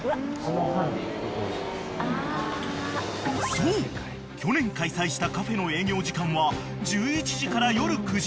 ［そう去年開催したカフェの営業時間は１１時から夜９時半まで］